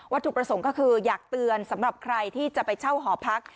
ถูกประสงค์ก็คืออยากเตือนสำหรับใครที่จะไปเช่าหอพัก